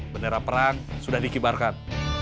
bendera perang sudah dikibarkan